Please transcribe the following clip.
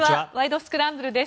スクランブル」です。